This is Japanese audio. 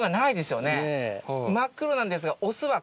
真っ黒なんですが。